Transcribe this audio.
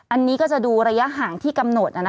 อันนี้ก็จะดูระยะห่างที่กำหนด